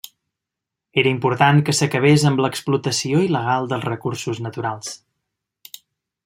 Era important que s'acabés amb l'explotació il·legal dels recursos naturals.